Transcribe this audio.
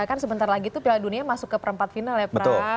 kan sebentar lagi tuh piala dunia masuk ke perempat final ya pra